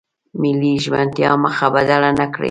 ملي ژمنتیا مخه بدله نکړي.